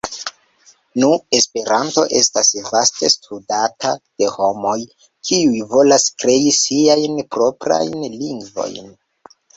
Nu, Esperanto estas vaste studata de homoj, kiuj volas krei siajn proprajn lingvojn.